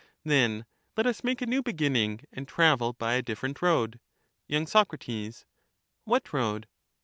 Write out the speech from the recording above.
Then let us make a new beginning, and travel by a different road. y. Soc. What road